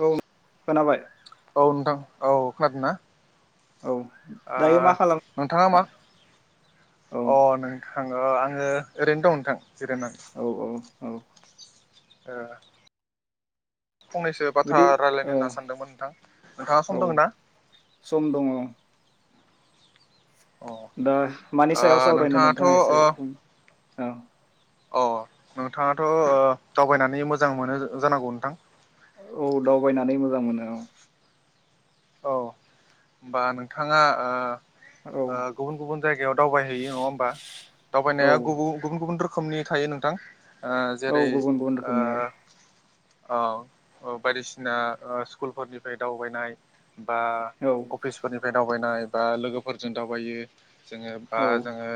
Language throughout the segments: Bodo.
औ खोनाबाय। औ नोंथां औ खोनादो ना? औ दायो मा खालाम नोंथाङा मा औ अ नोंथ थां आङो ओरैनो दं नोंथां। जिरायना। औ औ औ औ [inaudible] फंनैसो बाथ्रा बिदि रायलायनो औ होनना सानदोंमोन नोंथां नोंथाङा औ सम दङ ना? सम दङ अ दा मानि ओ सायाव सावरायनो नोंथाङाथ' ओ नोंथाङा एसे बुं औ। अ नोंथाङाथ' दावबायनानै मोजां मोनो जानांगौ नोंथां? औ दावबायनानै मोजां मोनो औ। औ होमबा नोंथांआ औ ओ गुबुन गुबुन जायगायाव दावबायहैयो नङा होमबा दावबायनाया औ गुब गुबुन गुबुन रोख खोमनि थायो नोंथां। औ जेरै गुबुन गुबुन रोखोमनि औ ओ औ बायदिसिना स्कुलफोरनिफ्राय दावबायनाय बा औ अफिसफोरनिफ्राय दाव दावबायनाय बा लोगोफोरजों दावबायो जोङो बा औ जोङो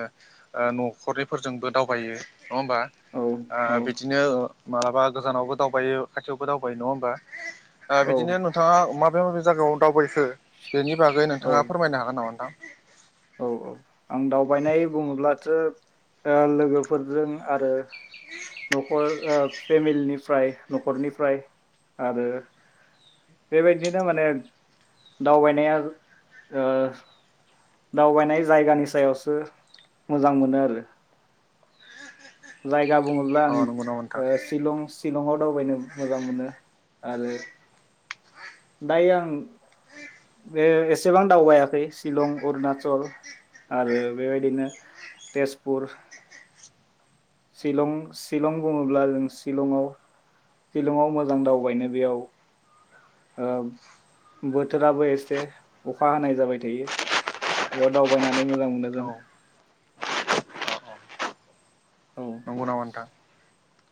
आ न'खरनिफोरजोंबो दावबायो नङा होमबा औ बिदिनो मालाबा गोजानावबो दावबायो खाथियावबो दावबायो नङा होमबा दा औ बिदिनो नोंथाङा मा [unintelligible] जागायाव दावबायखो बेनि बागै नोंथाङा फोरमायनो हागोन नामा नोंथां? औ औ आं दावबायनाय बुङोब्लाथो लोगोफोरजों आरो न'खर फेमिलिनिफ्राय न'खरनिफ्राय आरो बेबायदिनो माने दावबायनाया अअ दावबायनाय जायगानि सायावसो मोजां मोनो आरो जायगा बुङोब्ला नोंथां आं अ नंगौ नामा नोंथां शिलं शिलंआव दावबायनो मोजां मोनो। आरो दायो आं बे एसेबां दावबायाखै शिलं अरुनाचल आरो बेबायदिनो तेजपुर शिलं शिलं बुङोब्ला जों शिलंआव शिलंआव मोजां दावबायनो बेयाव ओ बोथोराबो एसे अखा हानाय जाबाय थायो बेयाव दावबायनानै मोजां मोनो औ जों औ नंगौ नामा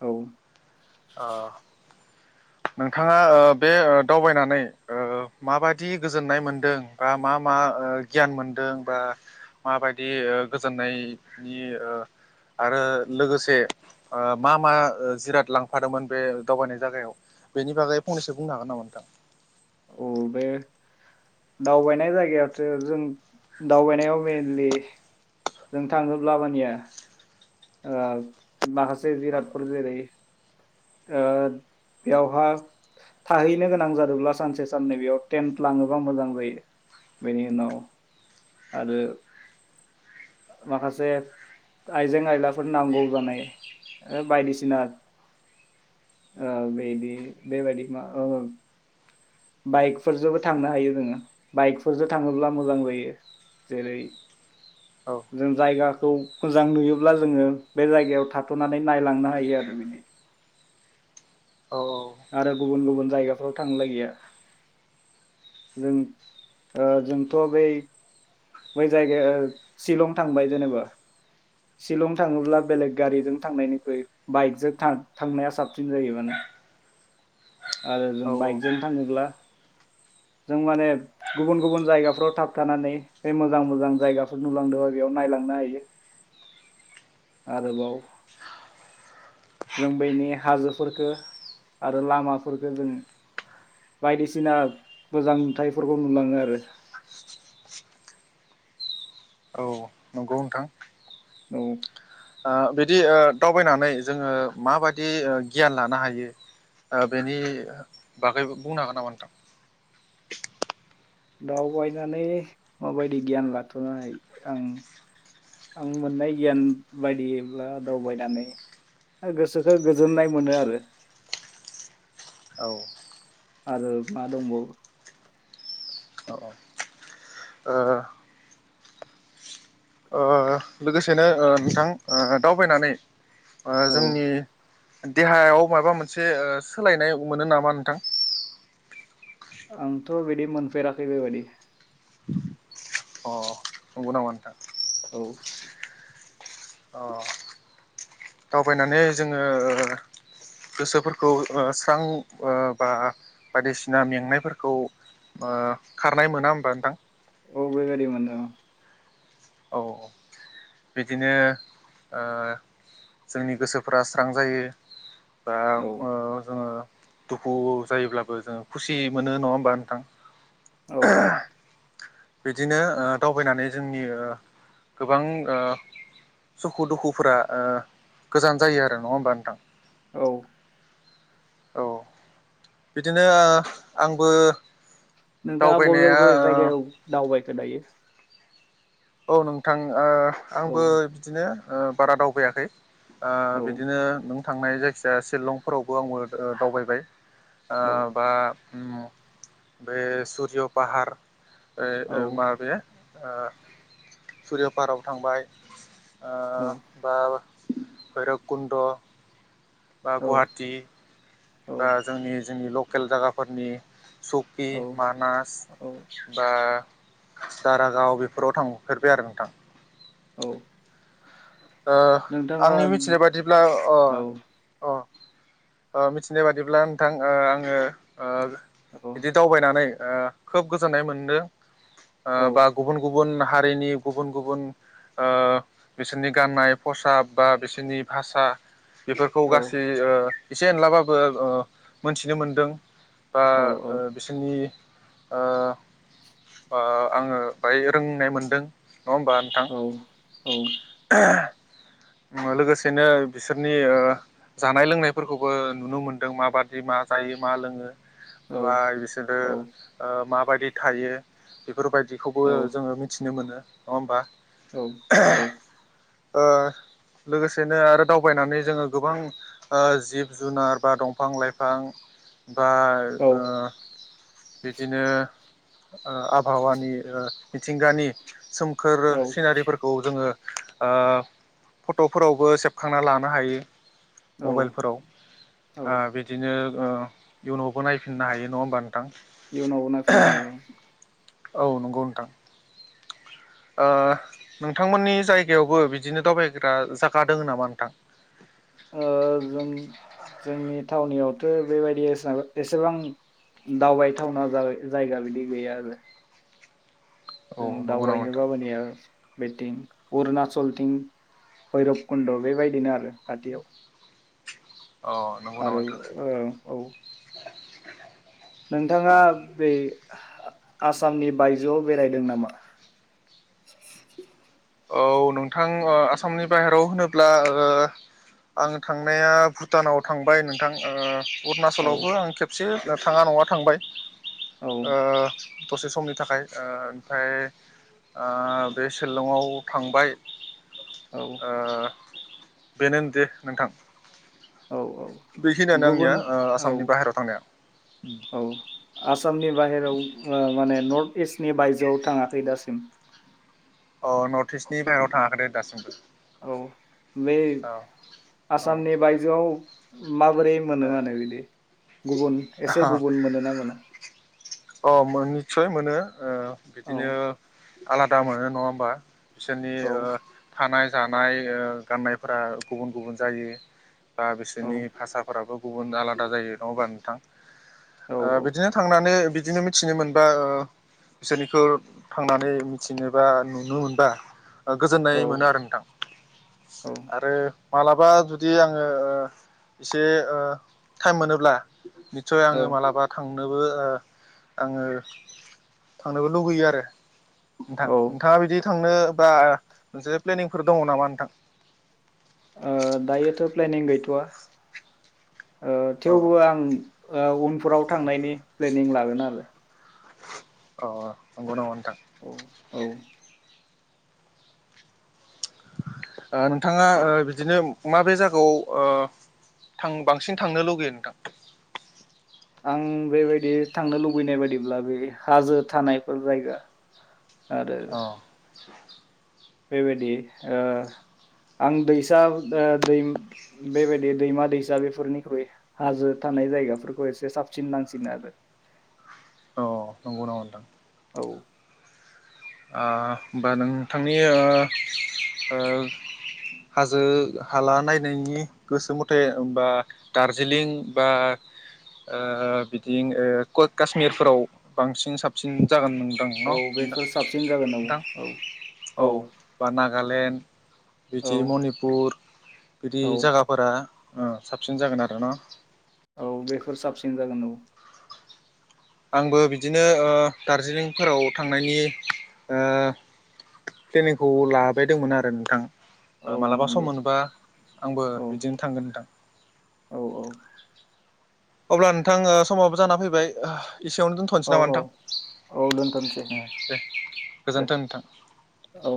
औ नोंथां नोंथाङा ओ बे ओ दावबायनानै ओ माबायदि गोजोननाय मोनदों बा मा मा ओ गियान मोनदों बा ओ माबायदि गोजोननायनि ओ आरो लोगोसे मा मा जिराद लांफादोंमोन बे दावबायनाय जायागायाव? बेनि बागै फंनैसो बुंनो हागोन नामा नोंथां? अ बे दावबायनाय जायगायावथ' जों दावबायनायाव मेनलि जों थांजोबलाबानिया ओ माखासे जिरादफोर जेरै ओ बेयावहा थाहैनो गोनां जादोंब्ला सानसे साननै बेयाव टेन्ट लाङोबा मोजां जायो बेनि उनाव आरो माखासे आइजें-आयलाफोर नांगौ जानाय बायदिसिना ओ बेदि बेबायदि मा? बाइकफोरजोंबो थांनो हायो जोङो बाइकफोरजों थाङोब्ला मोजां जायो। जेरै औ जों जायगाखौ मोजां नुयोब्ला जोङो बे जायगायाव थाथ'नानै नायलांनो हायो आरो बिनि आरो गुबुन गुबुन जायगाफोराव थांनोलाय गैया जों ओ जोंथ' बै बै जायगाया शिलं थांबाय जेनेबा शिलं थाङोब्ला बेलेग गारिजों थांनायनिख्रुइ बाइकजों थांनाया साबसिन जायो माने आरो जों औ बाइकजों थाङोब्ला जों माने गुबुन गुबुन जायगाफ्राव थाबथानानै बे मोजां मोजां जायगाफोर नुलांदोंबा बेयाव नायलांनो हायो आरोबाव जों बेनि हाजोफोरफोरखौ आरो लामा फोरखो जों बायदिसिना मोजां नुथाइफोरखौ नुलाङो आरो औ नंगौ नोंथां औ ओ बिदि दावबायनानै जोङो माबायदि ओ गियान लानो हायो ओ बेनि बागै बुंनो हागोन नामा नोंथां? दावबायनानै माबायदि गियान लाथ'नाय आं आं मोननाय गियान बायदियब्ला दावबायनानै गोसोखौ गोजोननाय मोनो आरो औ आरो मा दंबावो औ ओ ओ लोगोसेनो ओ नोंथां ओ दावबायनानै ओ औ जोंनि देहायाव माबा मोनसे ओ सोलायनाय मोनो नामा नोंथां? आंथ' बिदि मोनफेराखै बेबायदि । अ नंगौ नामा नोंथां? औ अ दावबायनानै जोङो ओ गोसोफोरखौ ओ स्रां ओ बा बायदिसिना मेंनायफोरखौ ओ खारनाय मोना होमबा नोंथां? औ बे बायदिनो मोनदों । औ बिदिनो ओ जोंनि गोसोफ्रा स्रां जायो। दा औ ओ जोङो दुखु जायोब्लाबो जोङो खुसि मोनो नङा होमबा नोंथां? औ औ [inaudible] बिदिनो ओ दावबायनानै जोंनि ओ गोबां ओ सुखु दुखुफोरा ओ गोजान जायो आरो नङा होमबा नोंथां? औ। औ। बिदिनो ओ आंबो नोंथाङा बबे दावबायनाया बबे ओ जायगायाव दावबायखो दायो? औ नोंथां ओ औ आंबो बिदिनो ओ बारा दावबायाखै। ओ औ बिदिनो नों थांनाय जायखिया सिलंफोरावबो आंबो ओ दावबायबाय ओ औ बा उम बे सुरय पाहार ओ औ ओ माबाया ओ सुरयापाहाराव थांबाय ओ औ बा भैरबकुन्द' बा गुवाहाटी औ बा जोंनि जोंनि लकेल जायगाफोरनि सकि औ मानास औ बा दारागाव बेफोराव थांफेरबाय आरो नोंथां। औ ओ नोंथाङा आंनि मिथिनाय बादिब्ला अ औ अ ओ मिथिनाय बादिब्ला नोंथां ओ आङो ओ औ बिदि दावबायनानै ओ खोब गोजोननाय मोनदों ओ बा गुबुन गुबुन हारिनि गुबुन गुबुन ओ बिसोरनि गाननाय खसाब बा बिसोरनि भाषा बेफोरखौ औ गासै ओ एसे एनलाबाबो ओ मोनथिनो मोनदों बा औ ओ बिसोरनि ओ ओ आङो बाय रोंनाय मोनदों नङा होमबा नोंथां? औ लोगोसेनो बिसोरनि ओ जानाय लोंनायफोरखौबो नुनो मोनदों माबादि मा जायो मा लोङो बा बिसोरो ओ मा बायदि थायो। बेफोरबायदिखौबो जोङो मिथिनो मोनो नङा होनबा औ औ ओ लोगोसेनो आरो दावबायनानै जोङो गोबां ओ जिब जुनार बा दंफां लाइफां बा ओ बिदिनो ओ आबहावानि ओ मिथिंगानि सोम खोर सिनारिफोरखौ जोङो ओ फटफोरावबो सेबखांना लानो हायो औ मबाइलफोराव औ ओ बिदिनो ओ इयुनावबो नायफिननो हायो नङा होमबा? नोंथां इयुनावबो नायफिननो हायो औ। औ नंगौ नोंथां ओ नोंथांमोननि जायगायावबो बिदिनो दावबायग्रा जागा दोङो नामा नोंथां? ओ जों जोंनि थावनियावथ बेबायदि एसां एसेबां दावबायथावना जाय जायगा बिदि गैया आरो औ जों नंगौ नामा नोंथां दावबायनोबा मानिया बेथिं अरुणाचलथिं भैरबकुन्द बेबायदिनो आरो खाथियाव अ नंगौ आरो नामा नोंथां ओ औ नोंथाङा औ बे आसामनि बायजोआव बेरायदों नामा? औ नोंथां ओ आसामनि बाहेराव होनोब्ला ओ आं थांनाया भुटानाव थांबाय नोंथां ओ औ अरुणाचलावबो आं खेबसे थाङा नङा थांबाय औ ओ दसे समनि थाखाय ओ ओमफ्राय ओ बे सिलंआव थांबाय औ ओ बेनो दे नोंथां औ औ बेखिनियानो गुबुन आंनिया ओ औ आसामनि बाहेरायाव थांनाया औ आसामनि बाहेराव ओ माने नर्थ इस्टनि बायजोआव थाङाखै दासिम अ नर्थ इस्टनि बाहेरायाव थाङाखै दे दासिमबो औ बै औ आसामनि बायजोआव माबोरै मोनो माने बिदि गुबुन एसे गुबुन मोनोना मोना? अ मोनो निस्सय मोनो ओ औ बिदिनो आलादा मोनो नङा होमबा? बिसोरनि औ ओ थानाय जानाय ओ गाननायफोरा गुबुन गुबुन जायो। बा औ बिसोरनि भाषाफोराबो गुबुन आलादा जायो नङाबा नोंथां? औ ओ बिदिनो थांनानै बि बिदिनो मिथिनो मोनबा ओ बिसोरनिखौ थांनानै मिथिनोबा नुनो मोनबा गोजोननाय औ मोनो आरो नोंथां औ । आरो मालाबा जुदि आङो ओ एसे ओ टाइम मोनोब्ला निस्सय आङो मालाबा थां नोबो आङो थांनोबो लुुगैयो आरो । ओ नोंथां-नोंथाङा बिदि थांनो बा मोनसे प्लेनिंफोर दङ नामा नोंथां? ओ दायोथ' प्लेनिं गैथ' आ । ओ औ थेवबो आं ओ उनफोराव थांनायनि प्लेनिं लागोन आरो । अ ओ नंगौ न थां औ औ ओ नोंथाङा ओ बिदिनो माबे जागायाव ओ थां-बांसिन थांनो लुगैयो नोथां? आं बेबायदि थांनो लुबैनाय बायदिब्ला बे हाजो थानायफोर जायगा आरो अ [inaudible] बेबायदि ओ आं दैसा अ दै बेबायदि दैमा दैसा बेफोरनिख्रुइ हाजो थानाय जायगाफोरखौ एसे साबसिन नांसिनो आरो । अ नंगौ नामा नोंथां? औ ओ होमबा नोंथांनि ओ ओ हाजो हाला नायनायनि गोसो मथे होमबा दार्जिलिं बा ओ बिदि ओ क-काश्मिरफोराव बांसिन साबसिन जागोन नोथां । औ नगौ बेफोर नथां साबसिन जागोन औ औ औ गालेन औ बिदि मनिपुर बिदि औ जागाफोरा अ साबसिन जागोन आरो न? औ बेफोर साबसिन जागोन औ । आंबो बिदिनो ओ दार्जिलिंफोराव थांनायनि ओ प्लेनिंखौ लाबायदोंमोन आरो नोंथां औ मालाबा सम नंगौ मोनोबा आंबो औ बिदिनो थांगोन नोंथां। औ अब्ला नोंथां ओ समाबो जाना फैबाय। एसेयावनो दोनथ'नोसै औ नामा औ औ दोनथ'नोसै नोंथां दे दे गोजोनथों नोंथां। औ